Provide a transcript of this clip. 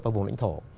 và vùng lãnh thổ